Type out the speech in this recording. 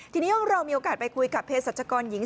ทีนี้เรามีโอกาสไปคุยกับเพศรัชกรหญิง